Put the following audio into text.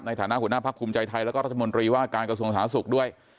ในฐานะหัวหน้าพักภูมิใจไทยแล้วก็รัฐมนตรีว่าการกระทรวงสาธารณสุขด้วย